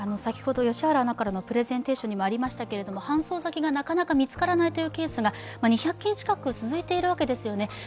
良原アナからのプレゼンテーションにもありましたけど搬送先がなかなか見つからないというケースが２００件近く続いているわけですよね。